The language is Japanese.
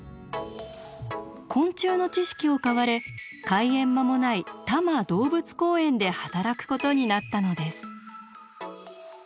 昆虫の知識を買われ開園間もない多摩動物公園で働くことになったのです。